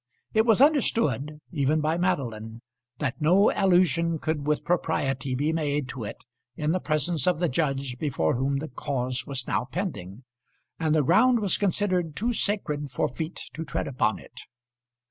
It was understood even by Madeline that no allusion could with propriety be made to it in the presence of the judge before whom the cause was now pending, and the ground was considered too sacred for feet to tread upon it.